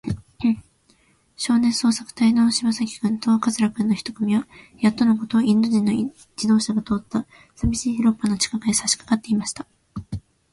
少年捜索隊そうさくたいの篠崎君と桂君の一組は、やっとのこと、インド人の自動車が通ったさびしい広っぱの近くへ、さしかかっていました。